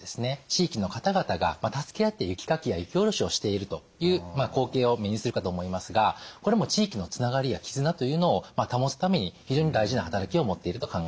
地域の方々が助け合って雪かきや雪下ろしをしているという光景を目にするかと思いますがこれも地域のつながりや絆というのを保つために非常に大事な働きを持っていると考えられます。